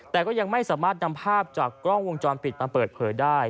แต่ก็ยังไม่สามารถนำภาพจากกล้องวงจรปิดมาเปิดเผยได้